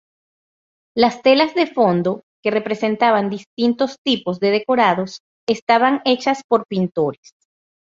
Las telas de fondo, que representaban distintos tipos de decorados, estaban hechas por pintores.